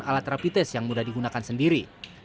alat rapid test yang mudah digunakan sendiri